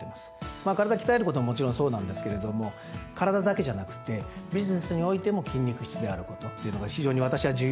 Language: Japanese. まあ体鍛えることはもちろんそうなんですけれども体だけじゃなくてビジネスにおいても筋肉質であることっていうのが非常に私は重要だと思ってるんですね。